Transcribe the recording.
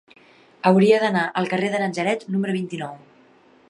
Hauria d'anar al carrer de Natzaret número vint-i-nou.